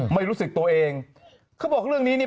ไม่รู้สึกตัวเองเขาบอกเรื่องนี้เนี่ย